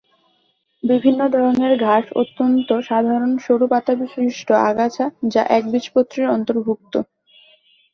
বিভিন্ন ধরনের ঘাস অত্যন্ত সাধারণ সরু পাতাবিশিষ্ট আগাছা যা একবীজপত্রীর অন্তর্ভুক্ত।